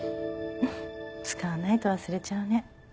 使わないと忘れちゃうね。